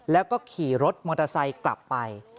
แล้วก็ขี่รถมอเตอร์ไซค์กลับไป